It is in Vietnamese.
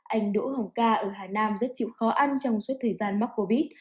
anh đỗ hồng ca ở hà nam rất chịu khó ăn trong suốt thời gian mắc covid một mươi chín